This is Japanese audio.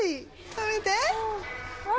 食べて。